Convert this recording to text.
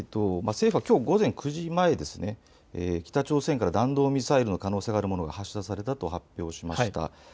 政府はきょう午前９時前、北朝鮮から弾道ミサイルの可能性があるものが発射されたと発表しました。